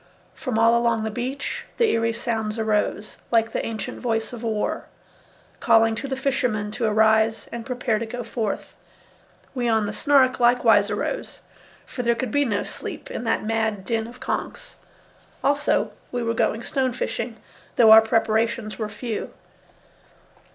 From all along the beach the eerie sounds arose, like the ancient voice of War, calling to the fishermen to arise and prepare to go forth. We on the Snark likewise arose, for there could be no sleep in that mad din of conches. Also, we were going stone fishing, though our preparations were few.